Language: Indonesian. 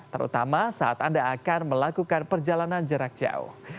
terutama saat anda akan melakukan perjalanan jarak jauh